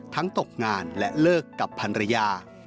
ทั้งตกงานและเลิกกับภัณฑ์ระยะ